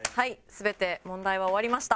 全て問題は終わりました。